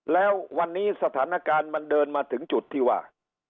แล้ววันนี้สถานการณ์มันเดินมาถึงจุดที่ว่า